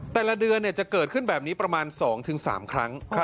แต่ละเดือนจะเกิดขึ้นแบบนี้ประมาณ๒๓ครั้ง